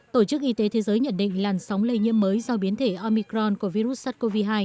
tổ chức y tế thế giới nhận định làn sóng lây nhiễm mới do biến thể omicron của virus sars cov hai